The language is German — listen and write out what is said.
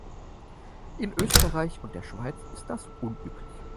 In Österreich und der Schweiz ist das unüblich.